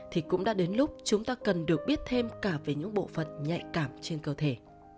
thì cũng đã đến lúc chúng ta cần được biết thêm cả về những bộ phận nhạy cảm trên cơ thể